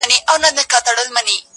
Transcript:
o وځم له كوره له اولاده شپې نه كوم.